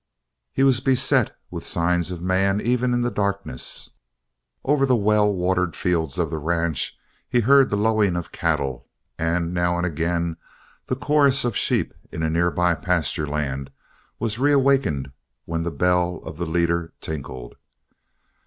He was beset with signs of man even in the darkness. Over the well watered fields of the ranch he heard the lowing of cattle and now and again the chorus of the sheep in a nearby pasture land was reawakened when the bell of the leader tinkled.